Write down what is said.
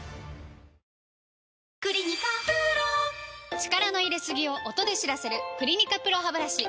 力の入れすぎを音で知らせる「クリニカＰＲＯハブラシ」